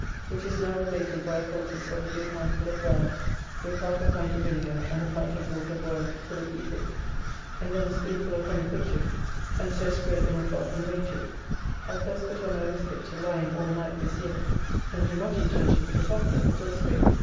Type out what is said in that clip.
which is now abated by a poultice of a good handful of bran with half a pint of vinegar and a pint of water boiled till it be thick, and then a spoonful of honey put to it and so spread in a cloth and laid to it, I first put on my waistcoat to lie in all night this year, and do not intend to put it off again till spring.